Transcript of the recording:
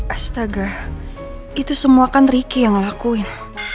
astaga itu semua kan ricky yang ngelakuin